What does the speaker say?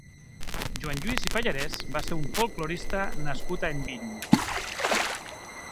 Joan Lluís i Pallarès va ser un folklorista nascut a Enviny.